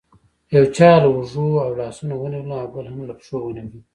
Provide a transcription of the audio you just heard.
یو چا له اوږو او لاسونو ونیولم او بل هم له پښو ونیولم.